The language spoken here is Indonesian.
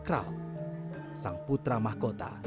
pakral sang putra mahkota